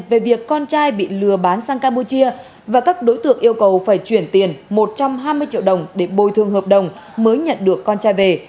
về việc con trai bị lừa bán sang campuchia và các đối tượng yêu cầu phải chuyển tiền một trăm hai mươi triệu đồng để bồi thường hợp đồng mới nhận được con trai về